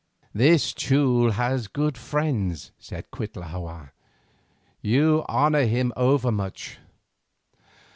"This Teule has good friends," said Cuitlahua; "you honour him overmuch.